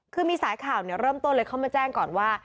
คือมีสายข่าวเริ่มต้นเลยเข้ามาแจ้งก่อนว่า